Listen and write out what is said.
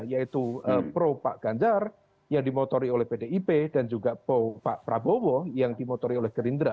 yaitu pro pak ganjar yang dimotori oleh pdip dan juga pro pak prabowo yang dimotori oleh gerindra